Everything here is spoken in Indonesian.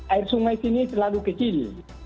air sungai sini selalu kecil